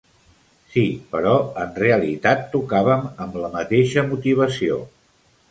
Sí, però en realitat tocàvem amb la mateixa motivació.